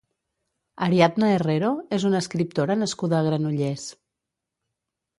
Ariadna Herrero és una escriptora nascuda a Granollers.